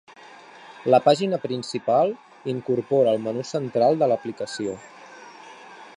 La pàgina principal incorpora el menú central de l’aplicació.